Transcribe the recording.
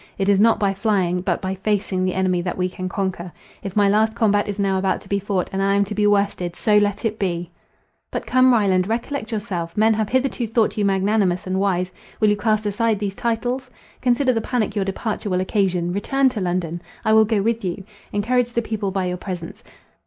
It is not by flying, but by facing the enemy, that we can conquer. If my last combat is now about to be fought, and I am to be worsted—so let it be!" "But come, Ryland, recollect yourself! Men have hitherto thought you magnanimous and wise, will you cast aside these titles? Consider the panic your departure will occasion. Return to London. I will go with you. Encourage the people by your presence.